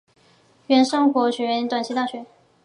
原生活学园短期大学。